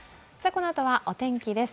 このあとはお天気です。